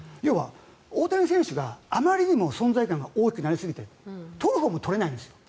大谷選手があまりにも存在感が大きくなりすぎて取るほうも取れないんです。